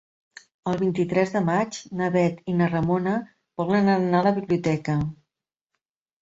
El vint-i-tres de maig na Bet i na Ramona volen anar a la biblioteca.